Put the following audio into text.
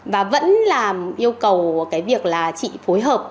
và vẫn là yêu cầu cái việc là chị phối hợp